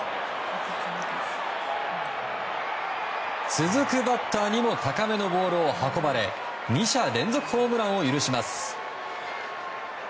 続くバッターにも高めのボールを運ばれ２者連続ホームランを許します。